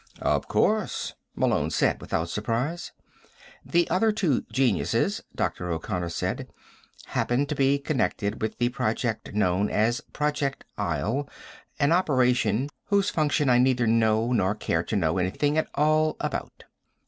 "Of course," Malone said without surprise. "The other two geniuses," Dr. O'Connor said, "happen to be connected with the project known as Project Isle an operation whose function I neither know, nor care to know, anything at all about."